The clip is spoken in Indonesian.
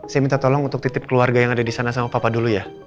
saya minta tolong untuk titip keluarga yang ada di sana sama papa dulu ya